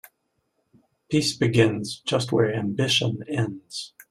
Peace begins just where ambition ends.